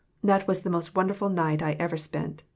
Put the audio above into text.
That was the most wonderful night I ever spent.